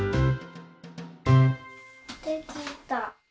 できた。